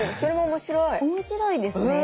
面白いですね。